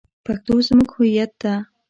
پښتو زمونږ هویت ده